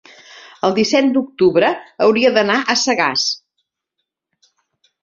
el disset d'octubre hauria d'anar a Sagàs.